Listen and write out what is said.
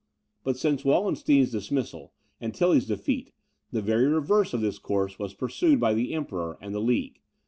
But since Wallenstein's dismissal, and Tilly's defeat, the very reverse of this course was pursued by the Emperor and the League.